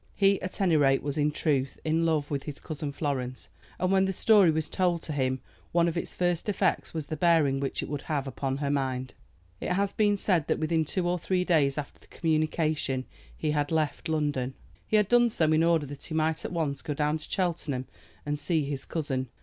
He, at any rate, was in truth in love with his cousin Florence, and when the story was told to him one of its first effects was the bearing which it would have upon her mind. It has been said that within two or three days after the communication he had left London. He had done so in order that he might at once go down to Cheltenham and see his cousin.